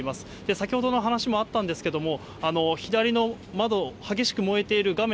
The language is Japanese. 先ほどの話もあったんですけども、左の窓、激しく燃えている画面